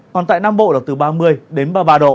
còn tại nam bộ là từ ba mươi đến ba mươi ba độ